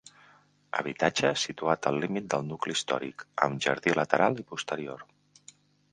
Habitatge situat al límit del nucli històric, amb jardí lateral i posterior.